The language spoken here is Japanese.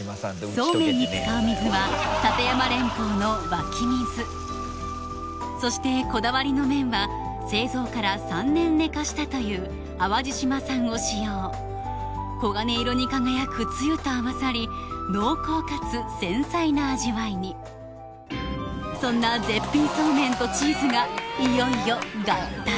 そうめんに使う水は立山連峰の湧き水そしてこだわりの麺は製造から３年寝かせたという淡路島産を使用黄金色に輝くつゆと合わさり濃厚かつ繊細な味わいにそんな絶品そうめんとチーズがいよいよ合体？